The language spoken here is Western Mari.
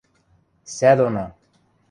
– Сӓ доно.